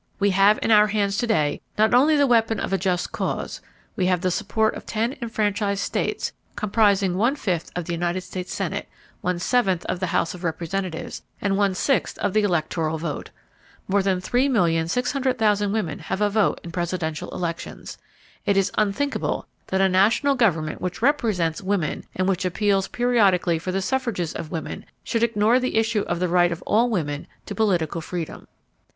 "We have in our hands to day not only the weapon of a just cause; we have the support of ten enfranchised states—states comprising one fifth of the United States Senate, one seventh of the House of Representatives, and one sixth of the electoral vote. More than 3,600,000 women have a vote in Presidential elections. It is unthinkable that a national government which represents women, and which appeals periodically for the suffrages of women, should ignore the issue of the right of all women to political freedom.